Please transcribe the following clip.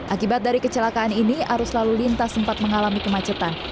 akibat dari kecelakaan ini arus lalu lintas sempat mengalami kemacetan